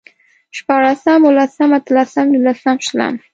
شپاړسم، اوولسم، اتلسم، نولسم، شلم